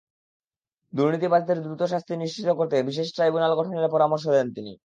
দুর্নীতিবাজদের দ্রুত শাস্তি নিশ্চিত করতে বিশেষ ট্রাইব্যুনাল গঠনের পরামর্শ দেন তিনি।